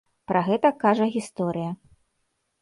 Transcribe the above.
Пра гэта кажа гісторыя.